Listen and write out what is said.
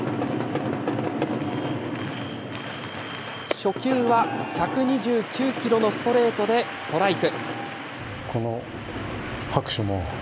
初球は１２９キロのストレートでストライク。